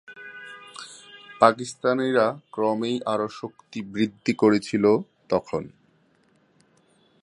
পাকিস্তানিরা ক্রমেই আরও শক্তি বৃদ্ধি করছিল তখন।